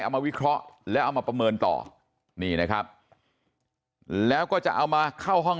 มาวิเคราะห์แล้วเอามาประเมินต่อนี่นะครับแล้วก็จะเอามาเข้าห้อง